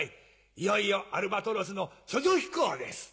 いよいよアルバトロスの処女飛行です。